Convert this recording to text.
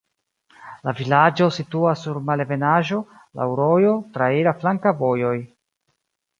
La vilaĝo situas sur malebenaĵo, laŭ rojo, traira flanka vojoj.